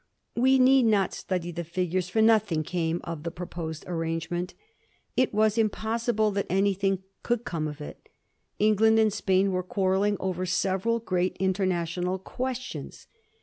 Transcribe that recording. We need not study the figures, for nothing came of the proposed arrangement. It was impossible that anything could come of it. England and Spain were quarrelling over several great international questions.